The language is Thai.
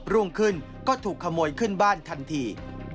รุ่งขึ้นก็ถูกขโมยขึ้นบ้านทันที